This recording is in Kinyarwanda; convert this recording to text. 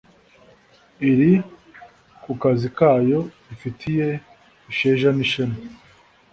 Iri kukazi kayo ifitiye isheja n' ishema